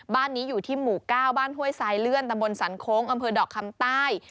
บ้านนี้อยู่ที่หมู่๙บ้านห้วยทรายเลื่อนตำบลสันโค้งอำเภอดอกคำใต้